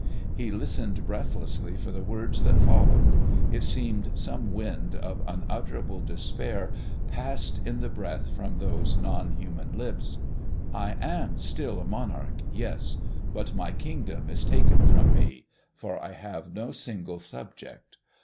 He listened breathlessly for the words that followed. It seemed some wind of unutterable despair passed in the breath from those non human lips: "I am still a Monarch, yes; but my Kingdom is taken from me, for I have no single subject.